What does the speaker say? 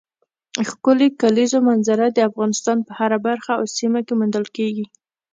ښکلې کلیزو منظره د افغانستان په هره برخه او سیمه کې موندل کېږي.